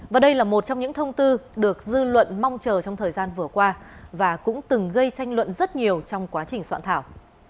và đây là một trong những thông tư được dư luận mong chờ trong thời gian vừa qua và cũng từng gây tranh luận rất nhiều trong quá trình soạn thảo